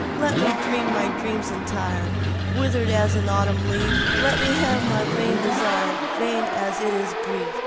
Let me dream my dream entire, Withered as an autumn leaf—Let me have my vain desire, Vain—as it is brief.